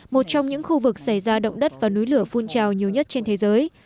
một trong những khu vực xảy ra động đất và núi lửa phun trào nhiều nhất trên thế giới